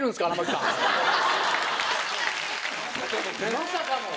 まさかの。